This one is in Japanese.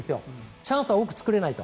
チャンスは多く作れないぞと。